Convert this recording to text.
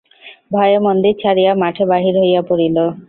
ভয়ে মন্দির ছাড়িয়া মাঠে বাহির হইয়া পড়িল।